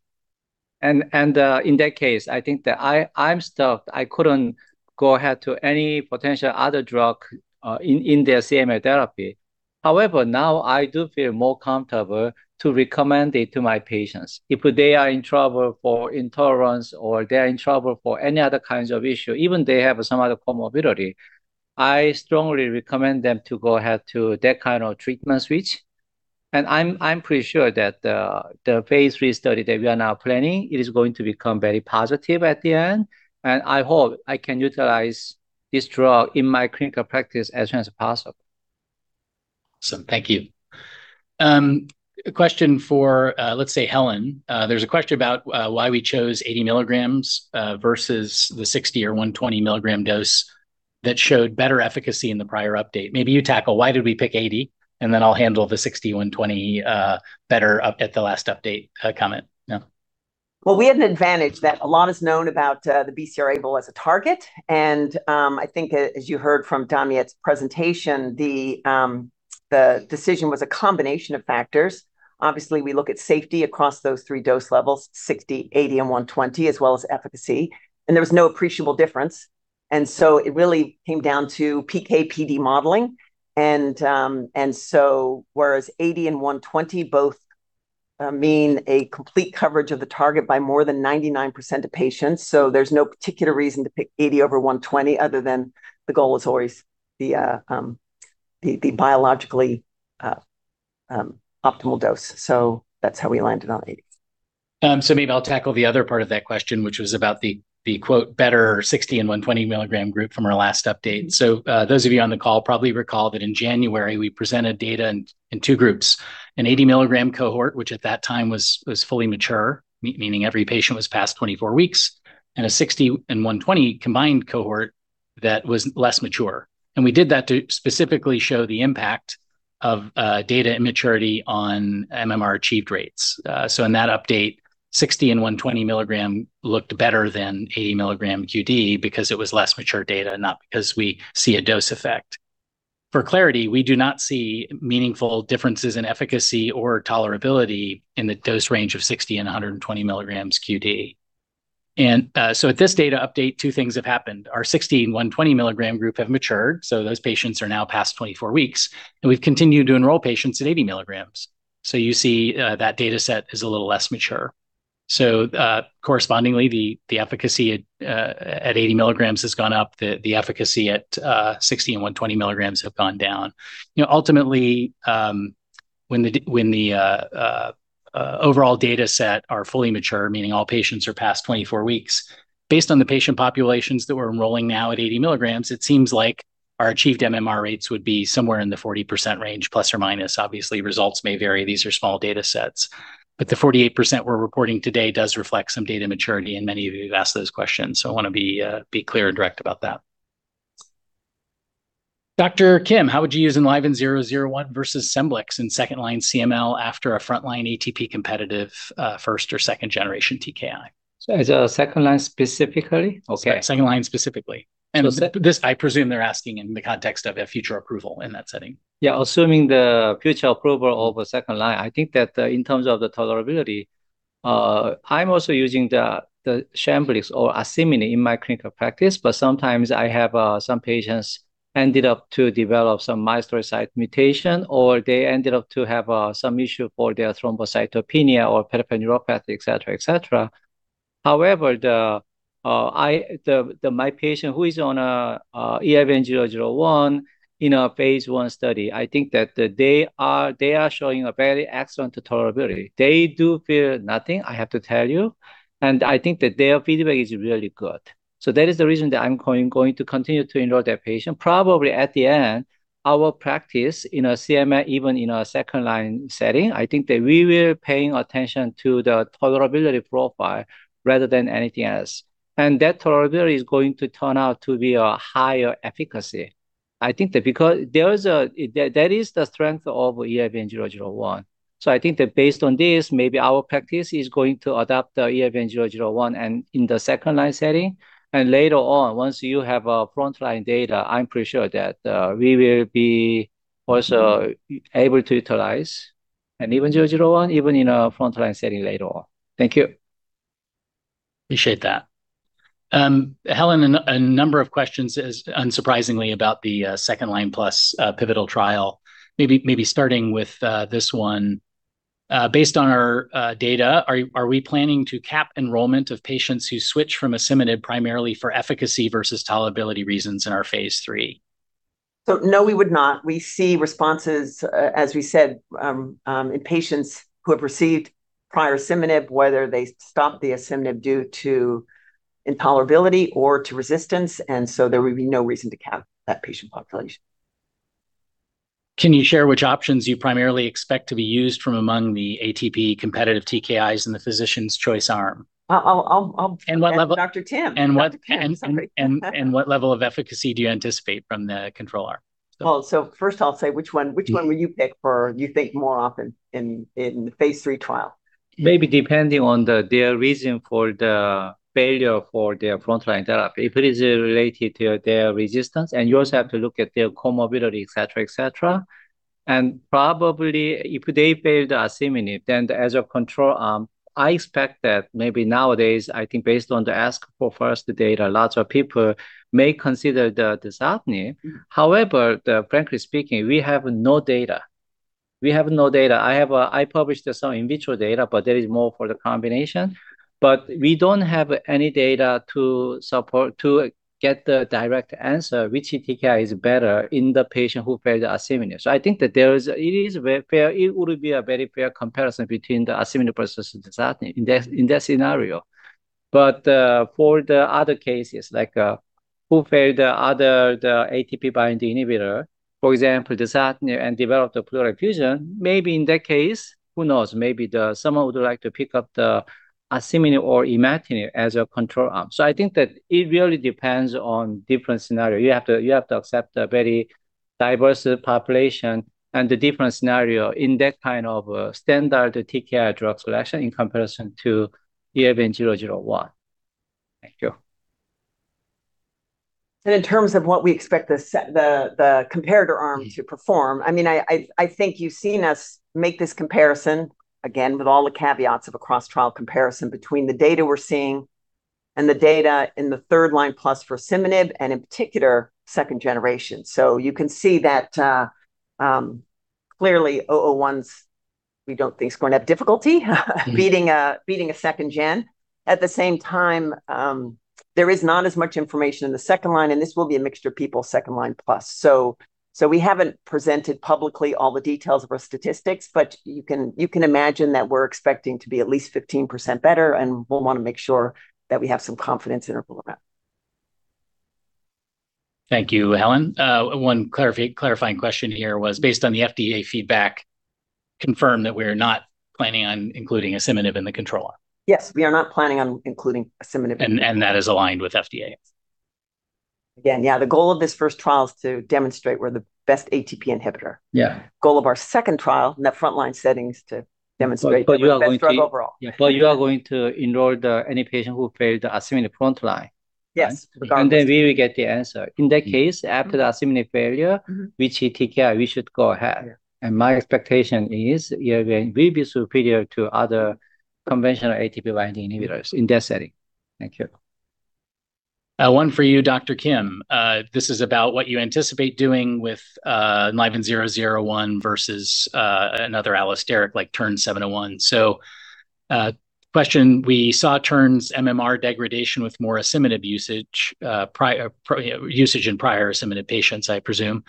In that case, I think that I'm stuck. I couldn't go ahead to any potential other drug in their CML therapy. However, now I do feel more comfortable to recommend it to my patients. If they are in trouble for intolerance or they are in trouble for any other kinds of issue, even they have some other comorbidity, I strongly recommend them to go ahead to that kind of treatment switch. I'm pretty sure that the phase III study that we are now planning, it is going to become very positive at the end, and I hope I can utilize this drug in my clinical practice as soon as possible. Awesome. Thank you. A question for, let's say, Helen. There's a question about why we chose 80 mg versus the 60 mg or 120 mg dose that showed better efficacy in the prior update. You tackle why did we pick 80 mg, I'll handle the 60 mg/120 mg better at the last update comment. Yeah. Well, we had an advantage that a lot is known about the BCR-ABL as a target. I think as you heard from Damiette's presentation, the decision was a combination of factors. Obviously, we look at safety across those three dose levels, 60 mg, 80 mg, and 120 mg, as well as efficacy. There was no appreciable difference. It really came down to PK/PD modeling. Whereas 80 mg and 120 mg both mean a complete coverage of the target by more than 99% of patients, there's no particular reason to pick 80 mg over 120 mg other than the goal was always the biologically optimal dose. That's how we landed on 80 mg. Maybe I'll tackle the other part of that question, which was about the "better" 60 mg and 120 mg group from our last update. Those of you on the call probably recall that in January, we presented data in two groups, an 80-mg cohort, which at that time was fully mature, meaning every patient was past 24 weeks, and a 60 mg and 120 mg combined cohort that was less mature. We did that to specifically show the impact of data immaturity on MMR achieved rates. In that update, 60 mg and 120 mg looked better than 80 mg QD because it was less mature data, not because we see a dose effect. For clarity, we do not see meaningful differences in efficacy or tolerability in the dose range of 60 mg and 120 mg QD. At this data update, two things have happened. Our 60 mg and 120 mg group have matured, so those patients are now past 24 weeks, and we've continued to enroll patients at 80 mg. You see that data set is a little less mature. Correspondingly, the efficacy at 80 mg has gone up. The efficacy at 60 mg and 120 mg have gone down. Ultimately, when the overall data set are fully mature, meaning all patients are past 24 weeks, based on the patient populations that we're enrolling now at 80 mg, it seems like our achieved MMR rates would be somewhere in the 40% range±. Obviously, results may vary. These are small data sets. The 48% we're reporting today does reflect some data maturity, and many of you have asked those questions, so I want to be clear and direct about that. Dr. Kim, how would you use ELVN-001 versus SCEMBLIX in second-line CML after a frontline ATP competitive first or second-generation TKI? As a second-line specifically? Okay. Sorry, second-line specifically. So second- This, I presume they're asking in the context of a future approval in that setting. Yeah, assuming the future approval of a second-line, I think that in terms of the tolerability, I'm also using the SCEMBLIX or asciminib in my clinical practice, sometimes I have some patients ended up to develop some myristoyl pocket mutation, or they ended up to have some issue for their thrombocytopenia or peripheral neuropathy, et cetera, et cetera. My patient who is on ELVN-001 in a phase I study, I think that they are showing a very excellent tolerability. They do feel nothing, I have to tell you, and I think that their feedback is really good. That is the reason that I'm going to continue to enroll that patient. Probably at the end, our practice in a CML, even in a second-line setting, I think that we were paying attention to the tolerability profile rather than anything else. That tolerability is going to turn out to be a higher efficacy. I think that because that is the strength of ELVN-001. I think that based on this, maybe our practice is going to adapt ELVN-001 in the second-line setting. Later on, once you have frontline data, I am pretty sure that we will also be able to utilize ELVN-001 even in a frontline setting later on. Thank you. Appreciate that. Helen, a number of questions is unsurprisingly about the second-line plus pivotal trial. Maybe starting with this one. Based on our data, are we planning to cap enrollment of patients who switch from asciminib primarily for efficacy versus tolerability reasons in our phase III? No, we would not. We see responses, as we said, in patients who have received prior asciminib, whether they stopped asciminib due to intolerability or to resistance, there would be no reason to cap that patient population. Can you share which options you primarily expect to be used from among the ATP competitive TKIs in the physician's choice arm? I'll- What level- Dr. Kim What level of efficacy do you anticipate from the control arm? First I'll say which one will you pick for you think more often in the phase III trial? Maybe depending on their reason for the failure for their frontline therapy, if it is related to their resistance. You also have to look at their comorbidity, et cetera. Probably if they failed asciminib, then as a control arm, I expect that maybe nowadays, I think based on the ASCEMBL first data, lots of people may consider the dasatinib. However, frankly speaking, we have no data. I published some in vitro data, but that is more for the combination. We don't have any data to support to get the direct answer, which TKI is better in the patient who failed asciminib. I think that it would be a very fair comparison between the asciminib versus dasatinib in that scenario. For the other cases, like who failed the other ATP binding inhibitor, for example, dasatinib and developed a pleural effusion. Maybe in that case, who knows? Maybe someone would like to pick up the asciminib or imatinib as a control arm. I think that it really depends on different scenario. You have to accept a very diverse population and the different scenario in that kind of standard TKI drug selection in comparison to ELVN-001. Thank you. In terms of what we expect the comparator arm to perform, I think you've seen us make this comparison again with all the caveats of a cross trial comparison between the data we're seeing and the data in the third-line plus for asciminib and in particular second generation. You can see that, clearly ELVN-001's, we don't think it's going to have difficulty beating a second-gen. At the same time, there is not as much information in the second-line, and this will be a mixture of people, second-line plus. We haven't presented publicly all the details of our statistics, but you can imagine that we're expecting to be at least 15% better, and we'll want to make sure that we have some confidence interval around. Thank you, Helen. One clarifying question here was based on the FDA feedback, confirm that we are not planning on including asciminib in the control arm. Yes, we are not planning on including asciminib. That is aligned with FDA? Again. The goal of this first trial is to demonstrate we're the best ATP inhibitor. Yeah. Goal of our second trial in that frontline setting is to demonstrate. You are going to. the best drug overall. You are going to enroll any patient who failed the asciminib frontline. Yes. Regardless. Then we will get the answer. In that case, after the asciminib failure. Which TKI we should go ahead? Yeah. My expectation is we will be superior to other conventional ATP binding inhibitors in that setting. Thank you. One for you, Dr. Kim. This is about what you anticipate doing with ELVN-001 versus another allosteric, like TERN-701. Question, we saw TERN's MMR degradation with more asciminib usage in prior asciminib patients, I presume.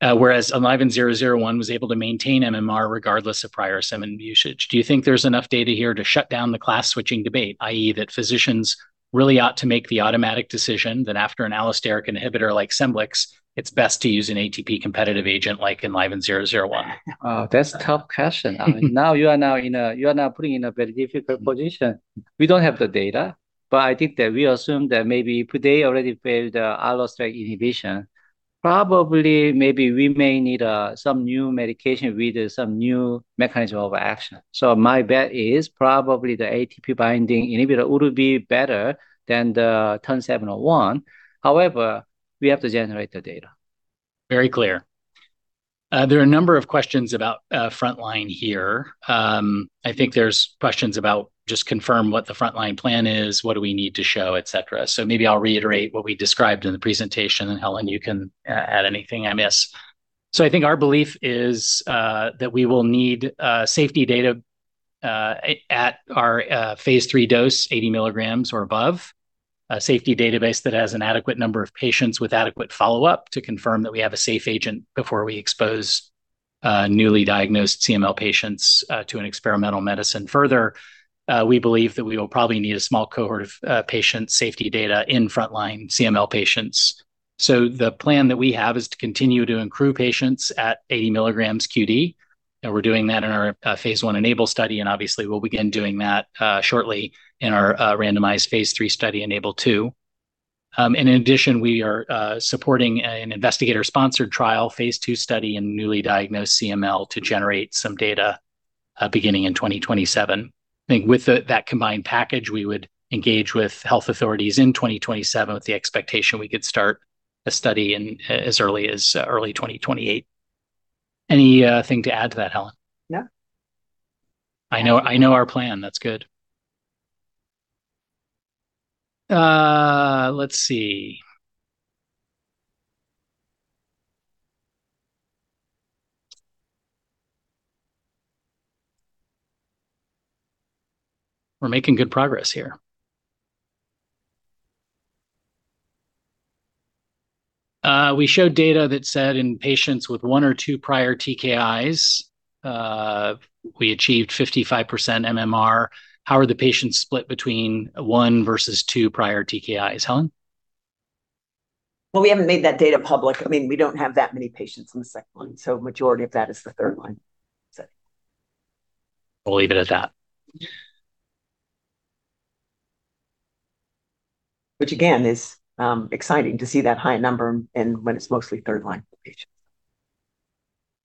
Whereas ELVN-001 was able to maintain MMR regardless of prior asciminib usage. Do you think there's enough data here to shut down the class switching debate, i.e., that physicians really ought to make the automatic decision that after an allosteric inhibitor like SCEMBLIX, it's best to use an ATP competitive agent like ELVN-001? Oh, that's a tough question. You are now putting in a very difficult position. We don't have the data, but I think that we assume that maybe if they already failed allosteric inhibition, probably, maybe we may need some new medication with some new mechanism of action. My bet is probably the ATP binding inhibitor would be better than the TERN-701. However, we have to generate the data. Very clear. There are a number of questions about frontline here. I think there's questions about just confirm what the frontline plan is, what do we need to show, et cetera. Maybe I'll reiterate what we described in the presentation, and Helen, you can add anything I miss. I think our belief is that we will need safety data at our phase III dose, 80 mg or above. A safety database that has an adequate number of patients with adequate follow-up to confirm that we have a safe agent before we expose newly diagnosed CML patients to an experimental medicine. Further, we believe that we will probably need a small cohort of patient safety data in frontline CML patients. The plan that we have is to continue to accrue patients at 80 mg QD, and we're doing that in our phase I ENABLE study, and obviously we'll begin doing that shortly in our randomized phase III study, ENABLE-2. In addition, we are supporting an investigator-sponsored trial, phase II study in newly diagnosed CML to generate some data beginning in 2027. I think with that combined package, we would engage with health authorities in 2027 with the expectation we could start a study in as early as early 2028. Anything to add to that, Helen? No. I know our plan. That's good. Let's see. We're making good progress here. We showed data that said in patients with one or two prior TKIs, we achieved 55% MMR. How are the patients split between one versus two prior TKIs, Helen? Well, we haven't made that data public. We don't have that many patients in the second-line, so majority of that is the third-line setting. We'll leave it at that. Which again, is exciting to see that high number and when it's mostly third-line patients.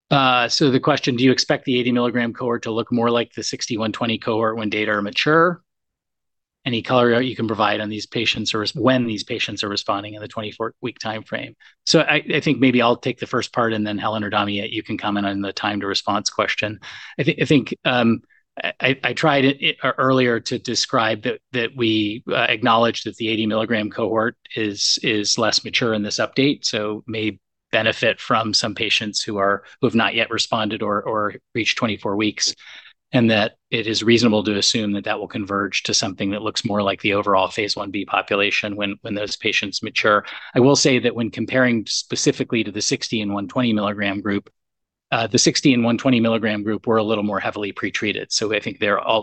The question, do you expect the 80 mg cohort to look more like the 60 mg/120 mg cohort when data are mature? Any color you can provide on these patients or when these patients are responding in the 24-week timeframe? I think maybe I'll take the first part, and then Helen or Damiette, you can comment on the time-to-response question. I think I tried it earlier to describe that we acknowledge that the 80 mg cohort is less mature in this update, so may benefit from some patients who have not yet responded or reached 24 weeks. That it is reasonable to assume that that will converge to something that looks more like the overall phase I-B population when those patients mature. I will say that when comparing specifically to the 60 mg and 120 mg group, the 60 mg and 120 mg group were a little more heavily pretreated. I think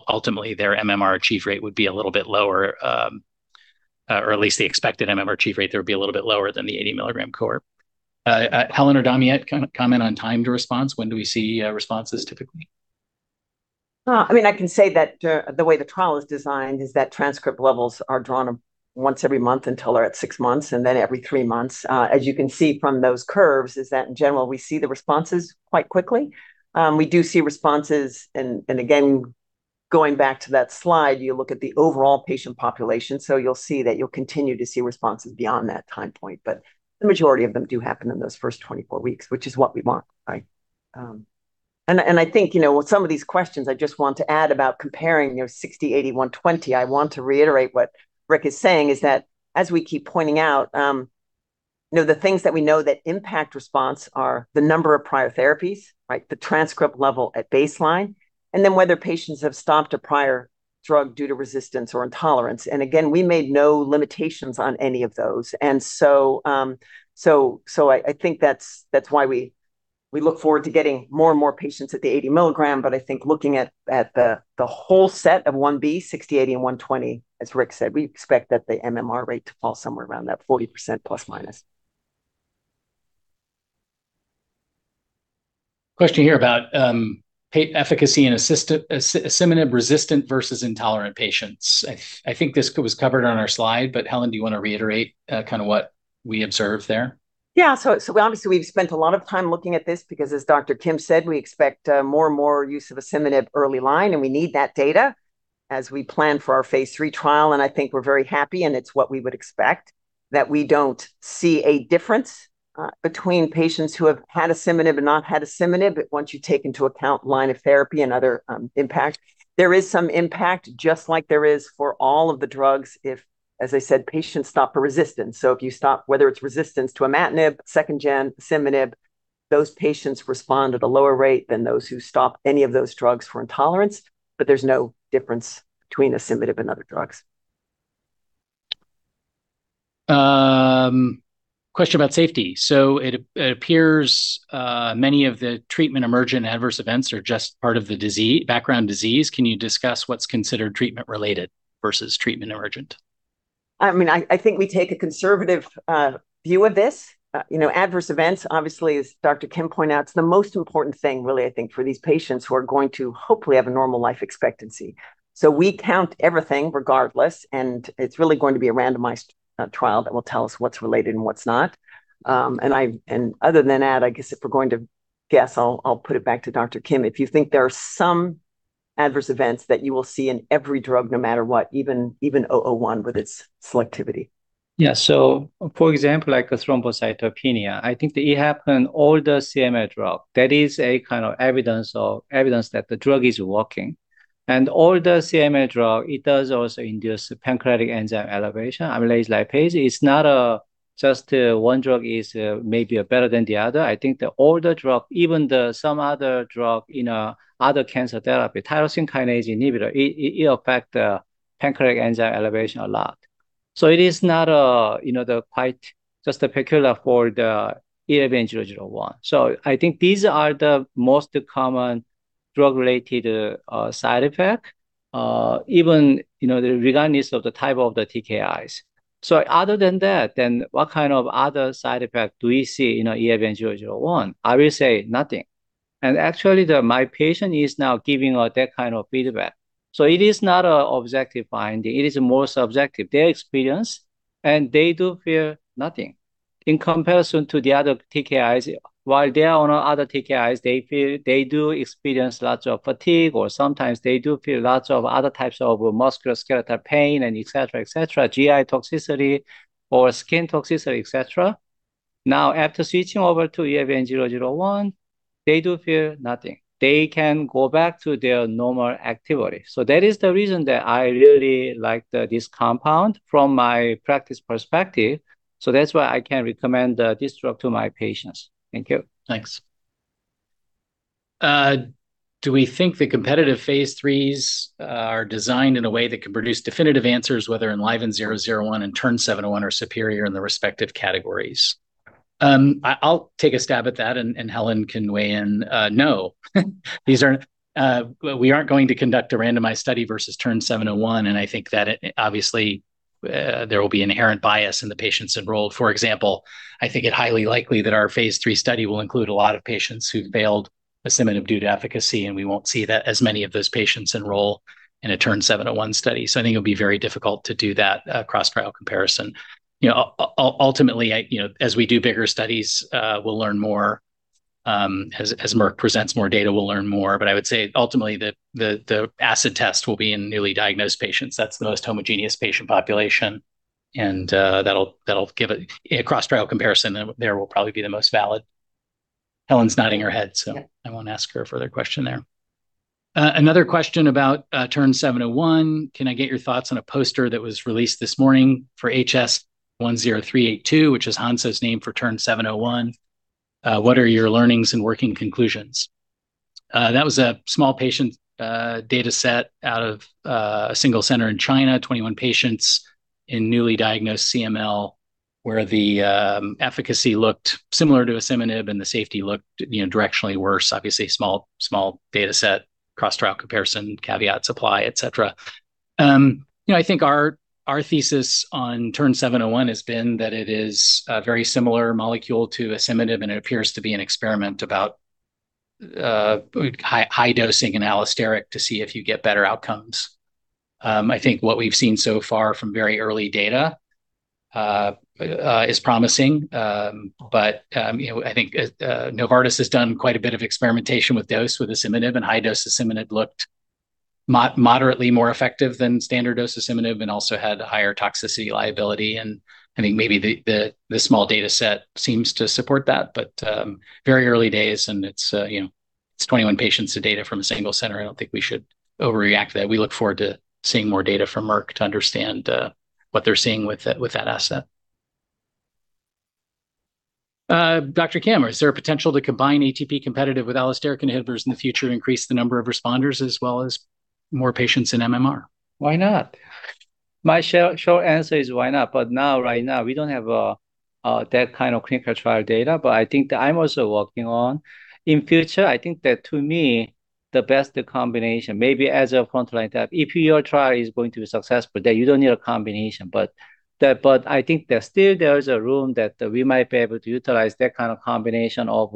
ultimately, their MMR achieve rate would be a little bit lower, or at least the expected MMR achieve rate there would be a little bit lower than the 80 mg cohort. Helen or Damiette, comment on time to response. When do we see responses typically? I can say that the way the trial is designed is that transcript levels are drawn once every month until they're at six months, then every three months. You can see from those curves, is that in general, we see the responses quite quickly. We do see responses and, again, going back to that slide, you look at the overall patient population. You'll see that you'll continue to see responses beyond that time point. The majority of them do happen in those first 24 weeks, which is what we want. I think, with some of these questions, I just want to add about comparing 60 mg, 80 mg, 120 mg. I want to reiterate what Rick is saying, is that as we keep pointing out, the things that we know that impact response are the number of prior therapies, the transcript level at baseline, then whether patients have stopped a prior drug due to resistance or intolerance. Again, we made no limitations on any of those. I think that's why we look forward to getting more and more patients at the 80 mg. I think looking at the whole set of phase I-B, 60 mg, 80 mg, and 120 mg, as Rick said, we expect that the MMR rate to fall somewhere around that 40%±. Question here about, efficacy in asciminib-resistant versus intolerant patients. I think this was covered on our slide, Helen, do you want to reiterate what we observed there? Yeah. Obviously, we've spent a lot of time looking at this because, as Dr. Kim said, we expect more and more use of asciminib early line, and we need that data as we plan for our phase III trial. I think we're very happy, and it's what we would expect, that we don't see a difference between patients who have had asciminib and not had asciminib. Once you take into account line of therapy and other impact, there is some impact, just like there is for all of the drugs if, as I said, patients stop for resistance. If you stop, whether it's resistance to imatinib, second-gen asciminib, those patients respond at a lower rate than those who stop any of those drugs for intolerance. There's no difference between asciminib and other drugs. Question about safety. It appears many of the treatment emergent adverse events are just part of the background disease. Can you discuss what's considered treatment-related versus treatment emergent? I think we take a conservative view of this. Adverse events, obviously, as Dr. Kim pointed out, it's the most important thing, really, I think, for these patients who are going to hopefully have a normal life expectancy. Other than that, I guess if we're going to guess, I'll put it back to Dr. Kim. If you think there are some adverse events that you will see in every drug no matter what, even 001 with its selectivity. Yeah. For example, like a thrombocytopenia, I think that it happen all the CML drug. That is a kind of evidence that the drug is working. All the CML drug, it does also induce pancreatic enzyme elevation. Amylase, lipase. It's not just one drug is maybe better than the other. I think the older drug, even some other drug in other cancer therapy, tyrosine kinase inhibitor, it affect the pancreatic enzyme elevation a lot. It is not quite just particular for the ELVN-001. I think these are the most common drug-related side effect, even regardless of the type of the TKIs. Other than that, what kind of other side effect do we see in ELVN-001? I will say nothing. Actually, my patient is now giving out that kind of feedback. It is not an objective finding. It is more subjective. Their experience, they do feel nothing. In comparison to the other TKIs, while they are on other TKIs, they do experience lots of fatigue, or sometimes they do feel lots of other types of musculoskeletal pain and et cetera, et cetera, GI toxicity or skin toxicity, et cetera. Now, after switching over to ELVN-001, they do feel nothing. They can go back to their normal activity. That is the reason that I really like this compound from my practice perspective. That's why I can recommend this drug to my patients. Thank you. Thanks. Do we think the competitive phase III are designed in a way that can produce definitive answers, whether ELVN-001 and TERN-701 are superior in the respective categories? I'll take a stab at that and Helen can weigh in. No. We aren't going to conduct a randomized study versus TERN-701, I think that obviously, there will be inherent bias in the patients enrolled. For example, I think it highly likely that our phase III study will include a lot of patients who've failed asciminib due to efficacy, we won't see as many of those patients enroll in a TERN-701 study. I think it'll be very difficult to do that cross-trial comparison. Ultimately, as we do bigger studies, we'll learn more. As Merck presents more data, we'll learn more. I would say ultimately, the acid test will be in newly diagnosed patients. That's the most homogeneous patient population, a cross-trial comparison there will probably be the most valid. Helen's nodding her head, I won't ask her a further question there. Another question about TERN-701. Can I get your thoughts on a poster that was released this morning for HS-10382, which is Hansoh's name for TERN-701? What are your learnings and working conclusions? That was a small patient data set out of a single center in China, 21 patients in newly diagnosed CML, where the efficacy looked similar to asciminib the safety looked directionally worse. Obviously, small data set, cross-trial comparison, caveats apply, et cetera. I think our thesis on TERN-701 has been that it is a very similar molecule to asciminib, it appears to be an experiment about high dosing and allosteric to see if you get better outcomes. I think what we've seen so far from very early data is promising. I think Novartis has done quite a bit of experimentation with dose with asciminib, high dose asciminib looked moderately more effective than standard dose asciminib also had higher toxicity liability. I think maybe the small data set seems to support that, very early days, it's 21 patients, the data from a single center. I don't think we should overreact to that. We look forward to seeing more data from Merck to understand what they're seeing with that asset. Dr. Kim, is there a potential to combine ATP competitive with allosteric inhibitors in the future to increase the number of responders as well as more patients in MMR? Why not? My short answer is why not? Right now, we don't have that kind of clinical trial data. I think that I'm also working on. In future, I think that to me, the best combination, maybe as a frontline tab, if your trial is going to be successful, then you don't need a combination. I think that still there is a room that we might be able to utilize that kind of combination of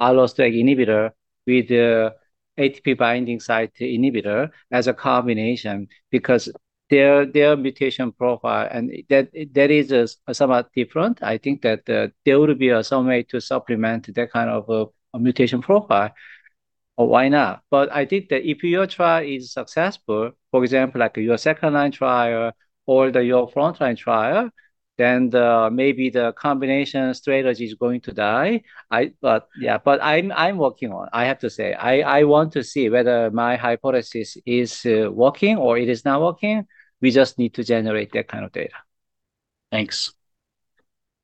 allosteric inhibitor with the ATP binding site inhibitor as a combination because their mutation profile, and that is somewhat different. I think that there would be some way to supplement that kind of a mutation profile, or why not? I think that if your trial is successful, for example, your second-line trial or your frontline trial, then maybe the combination strategy is going to die. I'm working on it. I have to say, I want to see whether my hypothesis is working or it is not working. We just need to generate that kind of data. Thanks.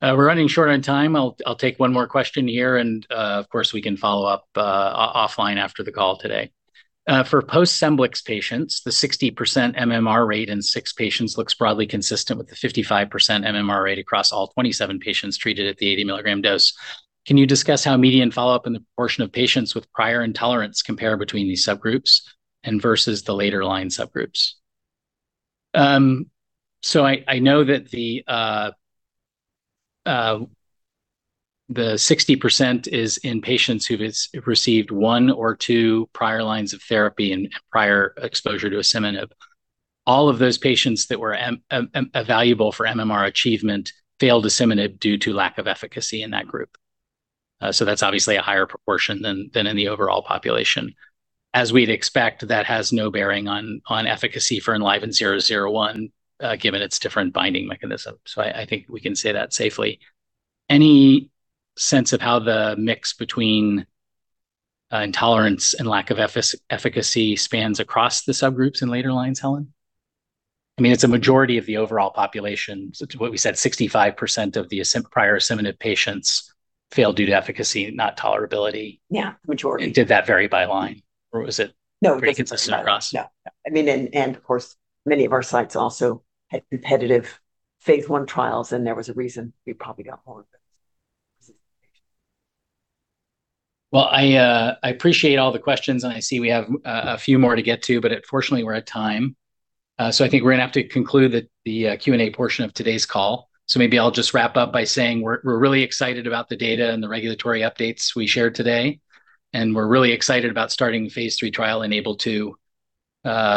We're running short on time. I'll take one more question here, and of course, we can follow up offline after the call today. For post-SCEMBLIX patients, the 60% MMR rate in six patients looks broadly consistent with the 55% MMR rate across all 27 patients treated at the 80 mg dose. Can you discuss how median follow-up in the proportion of patients with prior intolerance compare between these subgroups and versus the later line subgroups? I know that the 60% is in patients who've received one or two prior lines of therapy and prior exposure to asciminib. All of those patients that were evaluable for MMR achievement failed asciminib due to lack of efficacy in that group. That's obviously a higher proportion than in the overall population. As we'd expect, that has no bearing on efficacy for ELVN-001, given its different binding mechanism. I think we can say that safely. Any sense of how the mix between intolerance and lack of efficacy spans across the subgroups in later lines, Helen? I mean, it's a majority of the overall population. What we said, 65% of the prior asciminib patients failed due to efficacy, not tolerability. Yeah. Majority. Did that vary by line, or was it No pretty consistent across? No. Of course, many of our sites also had competitive phase I trials, and there was a reason we probably got more of those. Well, I appreciate all the questions. I see we have a few more to get to, but unfortunately, we're at time. I think we're going to have to conclude the Q&A portion of today's call. Maybe I'll just wrap up by saying we're really excited about the data and the regulatory updates we shared today, and we're really excited about starting the phase III trial ENABLE-2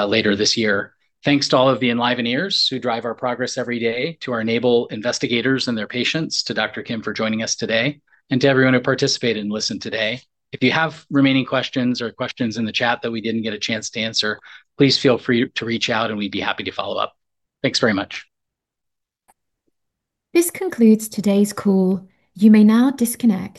later this year. Thanks to all of the Enliveneers who drive our progress every day, to our ENABLE investigators and their patients, to Dr. Kim for joining us today, and to everyone who participated and listened today. If you have remaining questions or questions in the chat that we didn't get a chance to answer, please feel free to reach out and we'd be happy to follow up. Thanks very much. This concludes today's call. You may now disconnect.